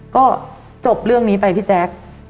ก็จบเรื่องนี้ไปพี่แจ๊ค